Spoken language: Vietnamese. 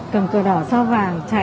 cầm cờ đỏ so vàng chạy